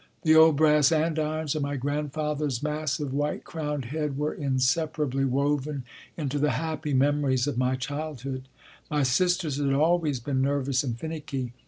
The old brass andirons and my grandfather s massive white crowned head were inseparably woven into the happy memories of my childhood. My sisters had always been ner vous and finicky.